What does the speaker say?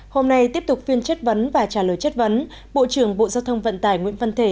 hôm nay tiếp tục phiên chất vấn và trả lời chất vấn bộ trưởng bộ giao thông vận tải nguyễn văn thể